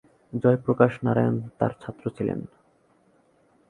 জয়প্রকাশ নারায়ণ তাঁর ছাত্র ছিলেন।